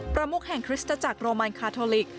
ประมุกแห่งคริสตจักรโรมันคาโทลิก